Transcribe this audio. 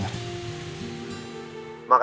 nih coba denger